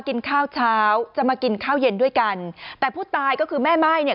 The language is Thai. กินข้าวเช้าจะมากินข้าวเย็นด้วยกันแต่ผู้ตายก็คือแม่ม่ายเนี่ย